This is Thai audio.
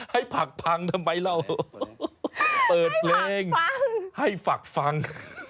ให้ผักพังทำไมเราเปิดเพลงให้ฝักฟัง